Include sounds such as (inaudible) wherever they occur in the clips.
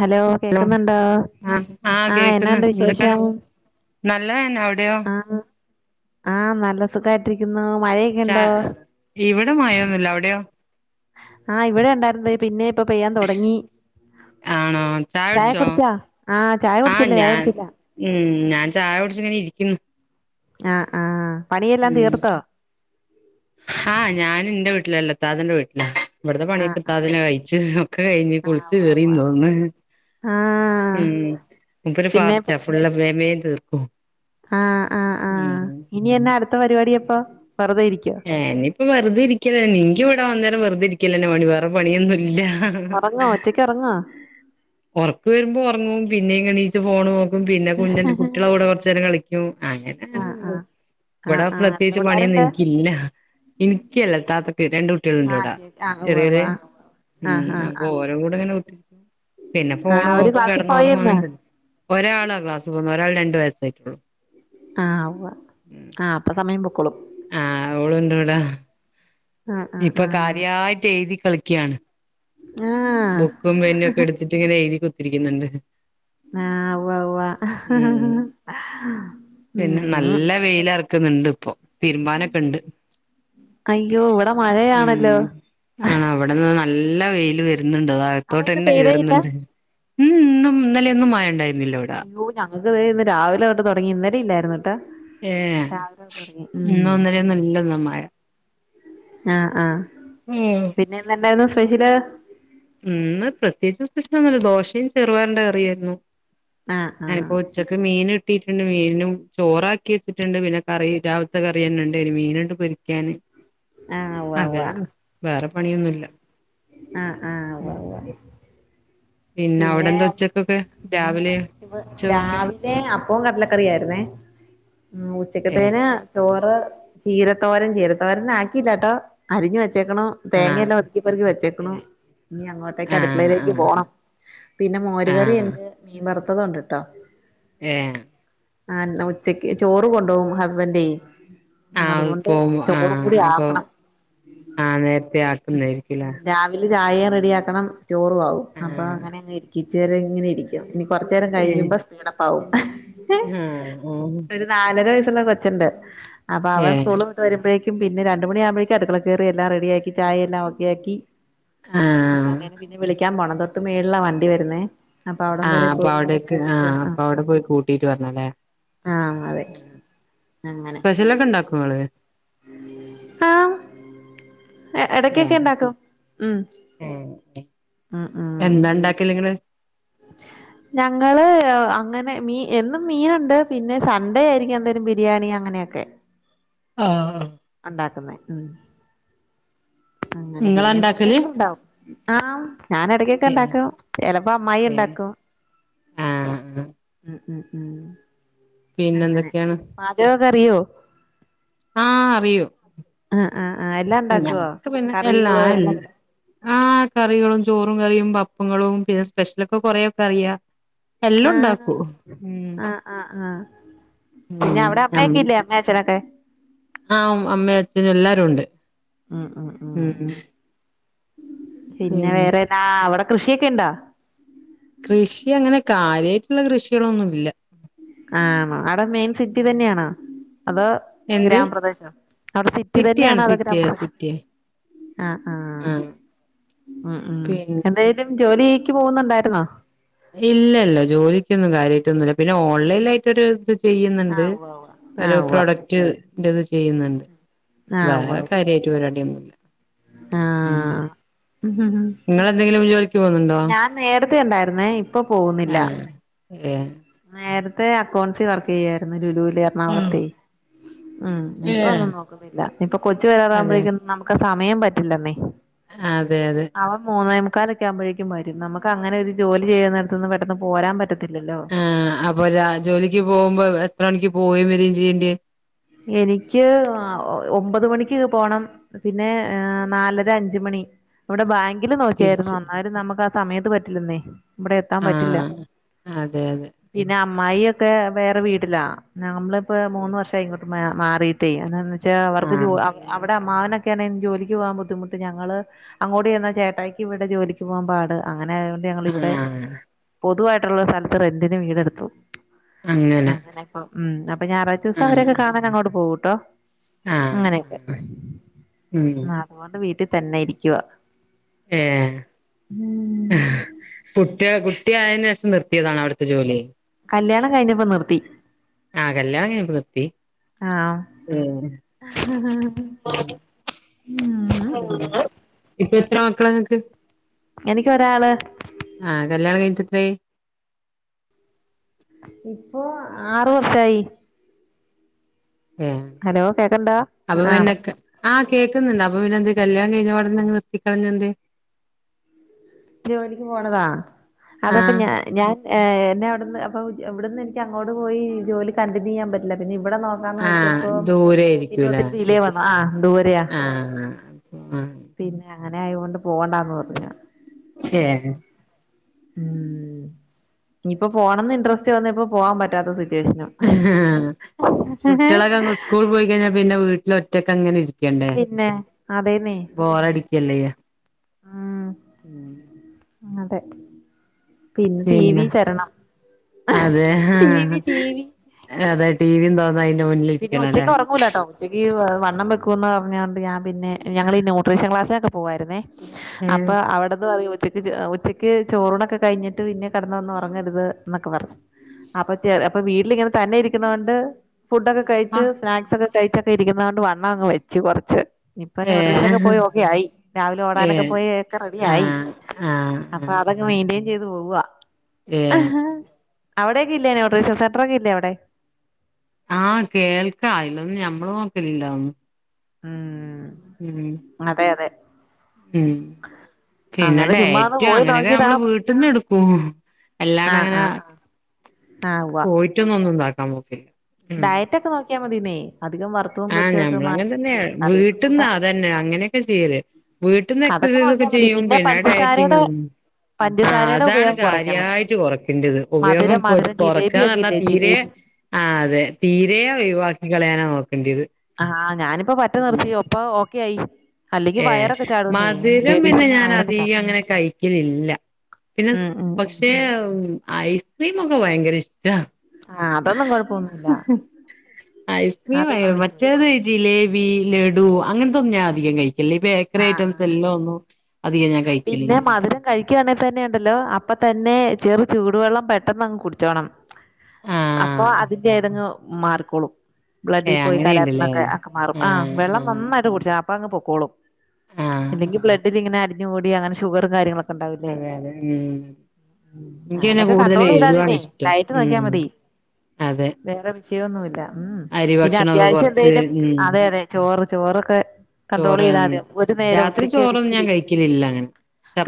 Hello കേക്കുന്നുണ്ടോ ആ ആ ആഹ് എന്നാ കേക്ക്ന്ന് ഉണ്ട് എന്തൊക്കാണ് വിശേഷം നല്ലതന്നെ അവിടെയോ ആഹ് ആഹ് നല്ല സുഖായിട്ടിരിക്കുന്നു മഴയി ച ഇവിടെ മഴയൊന്നുവില്ല അവിടെയോ ആഹ് ഇവിടെ ഉണ്ടായിരുന്നു ദേ പിന്നെയും ഇപ്പ പെയ്യാൻ തൊടങ്ങി ആണോ ചായ കുടിച്ചോ കുടിച്ചാ ആഹ് ചായ ആ കുടിച്ചില്ല ചായ ഞാൻ കുടിച്ചില്ല ഉം ഞാൻ ചായ കുടിച്ചിങ്ങനെ ഇരിക്കുന്നു ആഹ് ആഹ് പണിയെല്ലാം ഉം തീർത്തോ ആ ഞാൻ എന്റെ വീട്ടിലല്ല ഇത്താദിന്റ വീട്ടിലാ ഇവിടത്തെ ആഹ് പണിയൊക്കെ ഇത്താ ആഹ് തന്നെ കഴിച്ച് ഒക്കെ കഴിഞ്ഞ് ആഹ് കുളിച്ച് ഉവ്വ ഉവ്വ കേറീന്ന് തോന്നുന്ന് ആഹ് ഉം മൂപ്പര് പിന്നെ ഫാസ്റ്റാ ഫുള്ള് വേഗം വേഗം തീർക്കും ആഹ് ആഹ് ആഹ് ഉം ഇനി എന്നാ അടുത്ത പരിപാടി അപ്പോ വെറുതെ ഇരിക്കോ ഏ ഇനിപ്പൊ വെറുതെ ഇരിക്കല് തന്നെ എനിക്ക് ഇവിട വന്നേരം വെറുതെ ഇരിക്കല് തന്നെ പണി വേറെ പണിയൊന്നും ഇല്ലാ ഒറങ്ങുവൊ ഉച്ചക്ക് ഒറങ്ങുവൊ ഒറക്കം വരുമ്പോ ഒറങ്ങും പിന്നേയും ഇങ്ങെണീച്ച് ഫോണ് നോക്കും പിന്നെ കുഞ്ഞിന്റെ കുട്ടികളുടെ കൂടെ കൊറച്ച് നേരം കളി ക്കും അങ്ങനെങ്ങനെ ആഹ് ആഹ് പോകും ആഹ് ഇവിടെ ആഹ് എത്ര പ്രത്യേകിച്ച് പണിയൊന്നും പിള്ളേരുണ്ട് എനിക്കില്ല എനിക്കല്ല ഇത്താത്തക്ക് രണ്ട് കുട്ടികളുണ്ട് ആഹ് ഇവടെ കേക്ക് ആഹ് ഉവ്വ ചെറിയവര് ഉവ്വ ആഹ് ഉം ആഹ് ആഹ് അപ്പോ ഓ രുടെ കൂടെ ഇങ്ങനെ നിൽക്കും പിന്നേ ആഹ് ഫോണ് അവര് നോക്കും ക്ലാസ്സിൽ കെടന്നുറങ്ങും പോയന്ന് അങ്ങനെ തന്നേ ഒരാളാ ക്ലാസ് പോകുന്നത് ഒരാള് രണ്ട് വയസ്സായിട്ടുള്ളു ആഹ് ഉവ്വാ ആഹ് അപ്പ സമയം പൊക്കോളും ആഹ് ആഹ് ആഹ് ഇപ്പ ആഹ് കാര്യായിട്ട് എഴുതി കളിക്കാണ് ആഹ് ബുക്കും പെന്നും ഒക്കെ എടുത്തിട്ട് ഇങ്ങനെ എഴുതി കുത്തിരിക്കുന്നുണ്ട് ആഹ് ഉവ്വ ഉവ്വ ഉം പിന്നെ ഊം നല്ല വെയിലറക്കുന്നുണ്ട് ഇപ്പൊ തിരുമ്പാനൊക്കെ ഉണ്ട് അയ്യോ ഇവിടെ മഴയാണല്ലോ ഉം ആണാ ഇവിടെന്ന് നല്ല വെയില് വരുന്നുണ്ട് അപ്പൊ അകത്തോട്ട് ഇന്ന് തന്നെ പെയ്തേയില്ല കേറുന്നുണ്ട് ഉം ഇന്നും ഇന്നലെയൊന്നും മഴ ഇണ്ടായിരുന്നില്ല ഇവിടെ ഇയ്യോ ഞങ്ങക്ക് ദേ ഇന്ന് രാവിലെ തൊട്ട് തൊടങ്ങി ഇന്നലെ ഇല്ലായിരുന്നൂട്ടാ ഏ ഇന്നോ ഇന്നലെന്നൊല്ല മഴ ആഹ് ആഹ് (unintelligible) പിന്നെ എന്ത്ണ്ടായിരുന്നു സ്പെഷ്യല് ഇന്ന് പ്രത്യേകിച്ച് സ്പെഷ്യലൊന്നുല്ല ദോശയും ചെറുപയറിന്റെ കറിയായിരുന്നു ആഹ് ആഹ് (unintelligible) ഉച്ചക്ക് മീന് കിട്ടീട്ടിണ്ട് മീനും ചോറാക്കി വെച്ചിട്ടിണ്ട് പിന്നെ കറി രാവിലത്തെ കറി തന്നെ ഇണ്ട് ഒര് മീനിണ്ട് പൊരിക്കാന് ആഹ് ഉവ്വാ ഉവ്വാ അതേള്ളൂ വേറെ പണിയൊന്നുല്ല ആഹ് ആഹ് ഉവ്വ ഉം ഉവ്വ പിന്നെ അവിടെ എന്താ ഉച്ചക്കൊക്കെ രാവിലെയൊ ഉച്ചക്കൊക്കെ ഇവിടേ അപ്പോം കടലക്കറിയായിരുന്നേ ഉം ഏ ഉച്ചക്കത്തേന് ചോറ് ചീരത്തോരൻ ചീരത്തോരൻ ആക്കിയില്ലാട്ടോ അരിഞ്ഞ് വെച്ചേക്കണു തേങ്ങയെല്ലാം ആഹ് ഒതുക്കിപ്പറക്കി ഏ വെച്ചേക്കണു ഇനി അങ്ങോട്ടേക്ക് ആഹ് അടുക്കളയിലേക്ക് ആഹ് പോണം. പിന്നെ മോരുകറി ആഹ് എണ്ട് മീൻ വറുത്തത് ഒണ്ട്ട്ടോ. ഏഹ് അഹ് ന്ന ഉച്ചക്ക് ചോറ് കൊണ്ടുപോകും ഹസ്ബൻഡേ ആഹ് അതുകൊണ്ട് ഇപ്പോ ചോറും ആഹ് കൂടി അപ്പൊ ആക്കണം ആഹ് നേരത്തെ ആക്കുന്നായിരിക്കുംല്ലേ ഗ്യാ സില് ചായയും റെഡിയാക്കണം ചോറു ആകും അപ്പൊ ആഹ് അങ്ങനെ അങ്ങ് ഇരിക്കും ഉച്ചരെഇങ്ങനെ ഇരി ക്കും ഇനി കൊറച്ച് നേരം ഏഹ് കഴിയുമ്പ സ്പീഡപ്പാവും. ആഹ് ആഹ് ഒര് നാലര വയസുള്ള കൊച്ചെണ്ട് അപ്പ അവൻ ഏഹ് സ്കൂള് വി ട്ടു വരുമ്പഴേക്കും പിന്നെ രണ്ട് മണിയാവുമ്പഴേക്കും അടുക്കളെ കയറി എല്ലാം റെഡിയാക്കി ചായെല്ലാം ഓക്കെയാക്കി. ആഹ് അങ്ങനെ പിന്നെ വിളിക്കാൻ പോണം തൊട്ട് മേളിലാ വണ്ടി വരുന്നേ. അപ്പൊ അവിടം ആഹ് വരെ അപ്പൊ പോയി അവിടക്ക് ആഹ് വേണം ആ അപ്പൊ അവിടെ പോയി കൂട്ടീട്ട് വരണല്ലേ? ആഹ് അതെ. അങ്ങനെ സ്പെഷ്യലൊക്കെ ഇണ്ടാക്കോ നിങ്ങള്? ആഹ് എടക്കക്കെ ഇണ്ടാക്കും ഉം. ഉം ഉം ഉം എന്താ എണ്ടാക്കല് നിങ്ങള്? ഞങ്ങള് അങ്ങനെ മീ എന്നും മീനുണ്ട് പിന്നെ സൺഡേ ആയിരിക്കും എന്തെങ്കിലും ബിരിയാണി അങ്ങനെയൊക്കെ. ആഹ് ഒണ്ടാക്കുന്നേ ഉം അങ്ങനെ ഇങ്ങളാ പിന്നെ ഇണ്ടാക്കല് മീനെന്നും ഉണ്ടാവും. ആഹ് ഞാന് എടക്കൊക്കെ ഏഹ് ഇണ്ടാക്കും ചിലപ്പോ അമ്മായി ഏഹ് എണ്ടാക്കും. ആഹ് ആഹ് ഇഹ് ഇഹ് ഇം പിന്നെ അങ്ങനെ എന്തൊക്കെയാണ് പാ ചകോക്കെ അറിയോ ആഹ് അറിയും ആഹ് ആഹ് ആഹ് എല്ലാം ഉണ്ടാക്കുവോ ഞമ്മക്ക് പിന്നെ എല്ലാ കറികള് എല്ലാം കിട്ടും ആഹ് കറികളും ചോറും കറിയും പപ്പങ്ങളും പിന്നെ സ്പെഷ്യലൊക്കെ കൊറേയൊക്കെ അറിയാ എല്ലാം ആഹ് ഉണ്ടാക്കൂ ഉം. ആഹ് ആഹ് പിന്നെ ഉം അവിടെ നമ്മ അമ്മയൊക്കെ ഇല്ലേ അമ്മ അഛനൊക്കെ? ആഹ് അമ്മെ അച്ഛനും എല്ലാരും ഉണ്ട് ഉം പിന്നെ വേറെ എന്നാ അവിടെ കൃഷിയൊക്കെ ഇണ്ടോ? കൃഷി അങ്ങനെ കാര്യായിട്ടുള്ള കൃഷികളൊന്നുല്ല. ആണോ അവിടെ മെയിൻ സിറ്റി തന്നെയാണോ അതോ എന്ത് ഗ്രാമപ്രദേശൊ അവിടെ സിറ്റി സിറ്റിയാണ് തന്നെയാണോ അതോ സിറ്റിയ ഗ്രാമപ്രദേശൊ സിറ്റിയ ആഹ് ആഹ് ഉം ഉം പിന്നെ എന്തെ ങ്കിലും ജോലീക്ക് പോകുന്നുണ്ടായിരുന്നോ? ഇല്ലില്ല ജോലിക്കൊന്നും കാര്യമായിട്ടൊന്നുല്ല പിന്നെ ഓൺലൈനായിട്ട് ഒരു ചെയ്യുന്നിണ്ട് ആഹ് ഉവ്വ ഉവ്വ ഒരു ആഹ് ഉവ്വ പ്രോഡക്റ്റ്ന്റെത് ചെയ്യുന്നിണ്ട്. ആഹ് ഉവ്വ വേറെ ഉവ്വ കാര്യായിട്ട് പരിപാടിയൊന്നുല്ല. ഉം ആഹ് നിങ്ങളെന്തെങ്കിലും ജോലിക്ക് പോവുന്നുണ്ടോ? ഞാൻ നേരത്തെ ഉണ്ടായിരുന്നേ ഇപ്പൊ പോവുന്നില്ല. ഏ. നേരത്തെ അക്കൗണ്ട്സിൽ വർക്ക് ചെയ്യായിരുന്നു ലുലുവില് ആഹ് ത്തെ ഉം ഏഹ് ഇപ്പൊന്നും നോക്കുന്നില്ല ഇപ്പൊ കൊച്ചു അതെ വരാറാവുമ്പോഴേക്കും നമുക്ക് സമയം പറ്റില്ലെന്നേ. അതെ അതെ. അവൻ മൂന്നേമുക്കാലൊക്കെ ആകുമ്പോഴേും വരും നമുക്ക് അങ്ങനെ ഒരു ജോലി ചെയ്യുന്നേട്ത്ത്ന്ന് പെട്ടെന്ന് പോരാൻ പറ്റത്തില്ലല്ലോ ആ അപ്പൊ രാ ജോലിക്ക് പോകുമ്പോ എത്ര മണിക്ക് പോവയും വരയും ചെയ്യേണ്ടി എനിക്ക് ഒമ്പത് മണിക്ക് പോണം പിന്നെ ഏ നാലര അഞ്ച മണി ഇവിടെ ബാങ്കില് നോക്കിയായിരുന്നു തിരിച്ച് അന്നാലും നമുക്ക് ആ സമയത്ത് പറ്റില്ലെന്നേ ഇവിടെ എത്താൻ പറ്റില്ല ആഹ് അതെ അതെ പിന്നെ അമ്മായി ഒക്കെ വേറെ വീടിലാ നമ്മളിപ്പോ മൂന്ന് വർഷംമായിങ്ങോട്ട മാറിയിട്ടേ എന്താന്ന് വെച്ചാൽ അവർക്ക് ആഹ് അവവിടെ അമ്മാവനൊക്കെ ജോലിക്ക് പോവാൻ ബുദ്ധിമുട്ട് ഞങ്ങള് അങ്ങോട്ട് ചെന്ന ചേട്ടായിക്ക് ഇവിടെ ജോലിക്ക് പോകാൻ പാട് അങ്ങനെ ഞങ്ങള് ഇവിടെ ആഹ് പൊതുവായിട്ടുള്ള സ്ഥലത്ത് റെന്റിന് വീടെടുത്തു അങ്ങനെ അങ്ങനെയൊക്ക ഉ അപ്പൊ ഞായറാഴച്ച ദിവസം ആഹ് അവരൊക്കെ കാണാൻ അങ്ങോട്ട് പോവൂട്ടോ ആഹ് അങ്ങനെയൊക്കെ ആഹ് ഉം എന്നതുകൊണ്ട് വീട്ടിൽ തന്നെ ഇരിക്കുവ ഏ കുട്ടിയ കുട്ടി ആയേന് ശേഷം നിർത്തിയതാണോ അവിടുത്തെ ജോലി കല്യാണം കഴിഞ്ഞപ്പോ നിർത്തി ആ കല്ല്യാണം കഴിഞ്ഞപ്പം നിർത്തീ ഉ ആഹ ഇപ്പൊ എത്ര മക്കളാങ്ങക്ക് എനിക്കൊരാള് ആഹ് കല്യാണം കഴിഞ്ഞിട്ടെത്രേ യി ഇപ്പോൊ ആറു വർഷായി ഏ ഹലോ കേക്കണ്ടാ ആഹ് അപ്പന്നെക്കെ ആഹ കേക്കുന്നുണ്ട് അപ്പൊ പിന്നെന്ത് കല്യാണം കഴിഞ്ഞ പാട ന്നെ നിർത്തിക്കളഞ്ഞന്ത് ജോലിക്ക് പോണതാ അതപ്പ ഞ ആഹ് ഞാൻ ഏ എന്നെ അവിടുന്ന് അപ്പൊ ഇവിടെന്ന് എനിക്ക് അങ്ങോട്ട് പോയി ജോലി കണ്ടിന്യൂ ചെയ്യാൻ പറ്റില്ല പിന്നെ ഇവിടെ നോക്ക ന്ന് ആഹ് വെച്ചപ്പോ ദൂരെ ഇന്ന ആയിരിക്കൂലേ ഒത്തിരി വല വന്ന ആ ദൂരയാ ആഹ് പിന്നെ അങ്ങനെ ആയുകൊണ്ട് പോകണ്ടന്ന് പറഞ്ഞ ഏ ഉം ഇനിയിപ്പോൊ പോണംന്ന് ഇൻട്രസ്റ്റ് വന്ന ഇപ്പ പോവാൻ പറ്റാത്ത സിറ്റുവേഷനും ആ കുട്ടികളൊക്കെ അങ്ങ് സ്കൂൾ പോയി കഴിഞ്ഞാൽ പിന്നെ വീട്ടില ഒറ്റക്കെ അങ്ങനെ ഇ പിന്നെ അതേന്നെ ബോറടിക്കല്ലേയ്യ ഉം അതെ പിന്നെ ടി വി ശരണം അതെ ടീവി ആഹ് ടീവി അതെ ടടിീിയും തോന്നാായി പിന്നെ ഉച്ചയ്ക്ക് ഉറങ്ങൂലാട്ടോ ഉച്ചക്ക്ഈ വണ്ണം വെക്കന്ന് പറഞ്ഞുക കൊണ്ട്ഞൻ പിന്നെ ഞൾ ന്യൂട്രീഷൻ ക്ലാസൊക്കെ പോായിരുന്നേ ഏഹ് അപ്പൊ അവിടെന്ന് പറയച്ച ഉച്ചയ്ക്ക് ചോറണൊക്കെ കഴിഞ്ഞിട്ട് പിന്നെ കിടന്ന വന്ന് ഉറങ്ങരുത് എന്നൊക്കെ പറു അപ്പൊ ചെ അപ്പൊ വീട്ടിലിങ്ങനെ തന്നെ ഇരിക്കണോണ്ട് ഫുഡൊക്കെ കഴിച്ച് ആഹ് സ്നാക് സൊക്കെ കഴിച്ചൊക്കെ ഇരിക്കുന്നത കൊ ണ്ട് വണ്ണം അങ്ങ് വെച്ച് കുറച്ച് ഇപ്പൊ ന്യൂഡ്രീഷനൊക്കെ ഏഹ് പോയി ഓക്കെ ആയി രാവിലെ ഓടാനൊക്കെ ഏഹ് പോയി ഒക്കെ റെഡി ആയി ആഹ് ആഹ് ആഹ് അപ്പൊ അതൊക്കെ മെയിൻ്റെയിൻ ചെയ്ത് പോവവാ ഏഹ് അവിടെേക്ക ഇല്യേനോ റീഷ സന്ററൊക്കെ ഇല്ല അവിടെ ആഹ് കേൾക്ക അയിലൊന്നും ഞമ്മള് നോക്കലില്ലന്നും ഉം ഉം അതെ അതെ ഉം പിന്നെ അങ്ങനെ ചുമ്മാ ഒന്ന് ഡയറ്റ് പോയി അങ്ങനെയൊക്കെ നോക്കിയതാ നമ്മള് വീട്ട്ന്ന് എടുക്കും എല്ലാണ അങ്ങനെ ആ (unintelligible) പോയിട്ടൊന്നും ഒന്നും ഇണ്ടാക്കാൻ നോക്കലില്ല. ഡയറ്റ് ഒക്കെ നോക്കിയാ മതീന്നെ അധികം വർ ആഹ് ഞമ്മള് അങ്ങൻതന്നെയാ വിട്ട്ന്ന് കൂട്ടാം അതെന്നെ അങ്ങനെയൊക്കെ ചെയ്യല് വി ട്ട്ന്ന് അതൊക്കെ എക്സസൈസ് ഒക്കെ നോക്കിയാൽ മതി ചെയ്യും പിന്നെ ഡയറ്റിംഗ് പഞ്ചസാരയുടെ ആ പഞ്ചസാരയുടെ അതാണ് ഉപയോഗം കുറയ്ക്കണം കാര്യായിട്ട് കൊറക്കേണ്ടത് ഉപയോഗം മധുരം മധുരം ജിലേബി കൊറക്കാന്ന് ഒക്കെ പറഞ്ഞാൽ ഇല്ലേ തീരെ ജിലേബി ആ അതെ തീരെ ഒഴിവാക്കി കളയാനാ നോക്കേണ്ടിത് ആഹ ഞാനിപ്പോ പറ്റെ നിർത്തി അപ്പോ ഓക്കെ ആയി അല്ലെങ്കി ഏ വയറൊക്കെ ചാടുന്നേ മധുരം പിന്നെ ലേഡീസിന് ഞാൻ വയറൊക്കെ അധികം ചാടും അങ്ങനെ കഴിക്കലില്ല പിന്നെ ഉം ഉം ഉം പക്ഷെ ഐസ്ക്രീംമൊക്കെ ഭയങ്കര ഇഷ്ടാ ആഹ് അതൊന്നും കൊയപ്പൊന്നു ഐസ്ക്രീം ആയ അതൊന്നും വിഷയല്ല മറ്റേത് ജിലേബി ലഡു അങ്ങനത്തൊന്നും ഞാൻ അധികം കഴിക്കില്ല ഈ ബേക്കറി ആഹ് ഐറ്റംസ് ആഹ് എല്ലും ഒന്നു. പിന്നെ മധുരം കഴിക്കുവാണെങ്കിൽ തന്നെ ഉണ്ടല്ലോ അപ്പൊ തന്നെ ചെറു ചൂടു വെള്ളം പെട്ടെന്ന് അങ് കുടിച്ചോണം അപ്പൊ ആഹ് അതിന്റെ എടങ്ങേറ് മാറിക്കോളും ഏ ബ്ലഡിൽ പോയി അങ്ങനെയുണ്ടല്ലേ കലറുന്നൊക്കെ മാറും ആഹ ആഹ് വെള്ള ആഹ് നന്നായിട്ട് കുടിച്ചണം അപ്പൊ അങ് പൊക്കോളും ആഹ് ഇല്ലെങ്കിൽ ബ്ലഡിൽ ഇങ്ങനെ അടിഞ്ഞു കൂടി അങ്ങനെ ഷുഗറും കാര്യങ്ങളും അതെ അതെ ഉ ഇന്ക് അയ്ന് അങ്ങനൊക്കെ കൂടുതൽ കൺട്രോൾ ചെയ്താ എരുവാണ് മതിന്നേ ഇഷ്ടം ഡയറ്റ് ഉ നോക്കിയാൽ മതി വേറെ വിശയൊന്നുമില്ല ഉം അരി പിന്നെ ഭക്ഷണൊക്കെ അത്യാവശ്യം കൊറച്ച് എന്തേലും ഉം അതെ അതെ ചോറ് ചോറൊക്കെ കണ്ട്രോൾ ചോറ് ചെയ്താൽ മതി ഒരു നേരം രാത്രി ഉച്ചക്ക് ചോറൊന്നും ഞാൻ ഒരിച്ചിരി കഴിക്കലില്ല അങ്ങനെ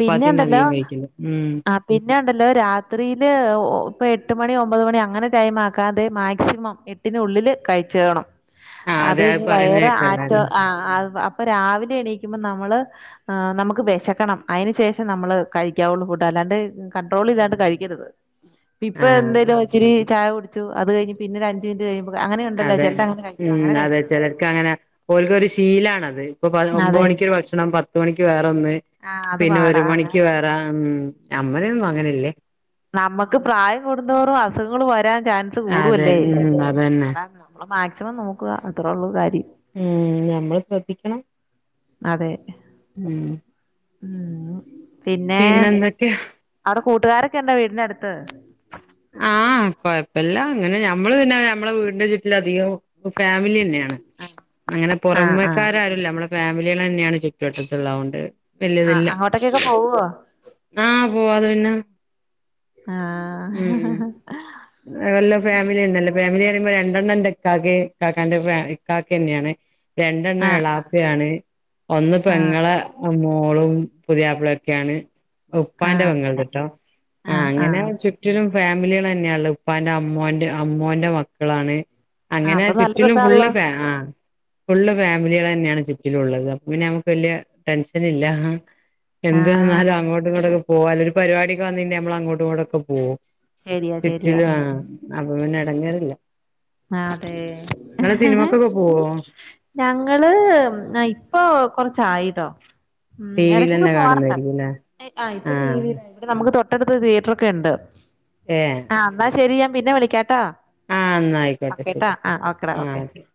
പിന്നെ ഉണ്ടല്ലോ അധികം കഴിക്കൽ ഉം. ആ പിന്നെ ഇണ്ടല്ലോ രാത്രിയില് ഇപ്പൊ എട്ട് മണി ഒമ്പത് മണി അങ്ങനെ ടൈം ആക്കാതെ മാക്സിമം എ വീട്ടിനുള്ളില് കഴിച്ചേണം ആഹ് അത് അതെ ഇനി പറയുന്ന വയർ ആറ്റ് കേക്കണ്ടായിരുന്നു ആഹ് ആഹ് അപ്പൊ രാവിലെ എണീക്കുമ്പോൾ നമ്മള് എ നമു ക്ക് വെശക്കണം അയ്ന് ശേഷം നമ്മള് കഴിക്കാവൊള്ളും ഫുഡ് അല്ലാണ്ട് കണ്ട്രോൾ ഇല്ലാണ്ട് കഴിക്കരുത് ഇപ്പൊ ആഹ് എന്തായലും ഇച്ചിരി ചായ കുടിച്ചു അത് കഴിഞ് പിന്നെ ഒരഞ്ച് മിനിറ്റ് കഴിയുമ്പൊ അങ്ങനെ ഇണ്ടല്ലൊ അങ്ങനെ കഴിക്കു അങ്ങനെ കഴിക്കരുത് ചെലർക്ക് അങ്ങനെ ഓൽക്കൊരു ശീലാണത് ഇപ്പൊ ഒമ്പത് അതെ മണിക്ക് ഒരു ഭക്ഷണം പത്ത് മണിക്ക് വേറെ ഒന്ന് ആ അത് പിന്നെ ഒരു പാടാ മണിക്ക് അങ്ങനൊക്കെ വേറെ ഉ നമ്മളൊന്നും അങ്ങനെയില്ലെ നമ്മുക്ക് പ്രായം കൂടുംതോറും അസുഖങ്ങൾ വരാൻ ചാൻസ് അതെ കൂടുവല്ലേ ഉം അതന്നെ (unintelligible) നമ്മള് മാക്സിമം നോക്കുക അത്രേ ഒള്ളൂ കാര്യം ഉം നമ്മള് ശ്രദ്ധിക്കണം അതെ ഉം ഉം പിന്നെ അവുടെ കൂട്ടുകാരൊക്കെ ഇണ്ടോ വീടിന്റെ അടുത്ത് ആഹ കൊഴപ്പല്ല അങ്ങനെ ഞമ്മള് പിന്നെ നമ്മളെ വീടിന്റെ ചുറ്റിലും അധികം ഫാമിലി തന്നെയാ അങ്ങനെ ആഹ് ആഹ് പുറമേക്കാര് ആരുല്ല നമ്മളെ ഫാമിലിയാൾ തന്നെയാണ് ചുറ്റുവട്ടത്തുള്ളതോണ്ട് ആഹ് വെലുതില്ല അങ്ങോട്ടേക്കൊക്കെ പോവോ ആഹ് പോവാത് പിന്നെ ആഹ് ഉം വല്ലോ ഫാമിലി തന്നെല്ലെ ഫാമിലി പറയുമ്പോ രണ്ടെണ്ണം ഇന്റെ ഇക്കാകെയും ക്കാക്കന്റെ ഇക്കാക തന്നെയാണ് രണ്ടെണ്ണം ആഹ് എളാപ്പയും ആണ് ഒന്ന് ആഹ് പെങ്ങളെ അങ്ങനെ ആ മോളും പുതിയാപ്ല ഒക്കെയാണ് ഉപ്പാന്റെ ആഹ് അങ്ങനെ പെങ്ങൾത്ട്ടോ ആഹ് അങ്ങനെ ആഹ് ചു ചുറ്റ്ലും ഫാമിലികള് ന്നെള്ളത് ഉപ്പാന്റെ അമ്മോന്റെ അമ്മോന്റെ മക്കളാണ് ആഹ് അങ്ങനെ അപ്പൊ നല്ല ചുറ്റ്ലും ഫുള്ള് രസാണല്ലോ ഫേ ആഹ് ഫുള്ള് ഫേമിലികളെന്നെണ് ചുറ്റിലുള്ളത് അപ്പം നമക്ക് വല്യ ടെൻഷനില്ല എന്ത് വന്നാലും ആഹ് അങ്ങോട്ടുങ്ങോട്ടൊക്കെ പോകാല്ലോ ഒരു പരിപാടിക്കെ വന്ന് കഴിഞ്ഞാല് നമ്മൾ അങ്ങോട്ടും ഇങ്ങോട്ടൊക്കെ പോവും ശരിയാ ശരിയാ ചുറ്റിലും ആണ് ഉം അപ്പ പിന്നെ എടങ്ങെറില്ല. ഇങ്ങള് അതെ സനിമക്കൊക്കെ പോവോ? ഞങ്ങള് ഇപ്പൊ കൊർച്ചായിട്ടോ ടി ഉം വിൽ എടക്കൊക്കെ തന്നെ പോവാറ്ണ്ട് കാണുന്നായിരിക്കുംല്ലേ ആഹ് ഇപ്പൊ ആ ടിവിയിലെ നമുക്ക് തൊട്ടടുത്ത് തിയേറ്ററോക്കെണ്ട് ഏഹ് ആന്നാ ശെരി ഞാൻ പിന്നെ വിളിക്കാട്ടോ ആഹ് ഇന്നായ്ക്കോട്ടെ ശെരി ഓക്കെടാ ആഹ് ഓക്കെ ശെരി